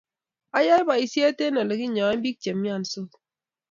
Ayae boisiet eng oleginyoen biik chemyansot